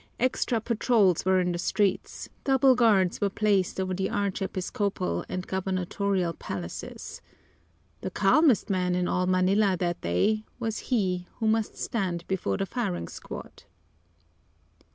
Extra patrols were in the streets, double guards were placed over the archiepiscopal and gubernatorial palaces. The calmest man in all Manila that day was he who must stand before the firing squad.